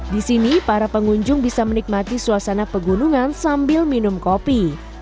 di sini para pengunjung bisa menikmati suasana pegunungan sambil minum kopi